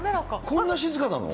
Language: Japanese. こんな静かなの？